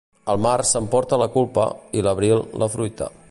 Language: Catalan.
El març s'emporta la culpa, i l'abril, la fruita.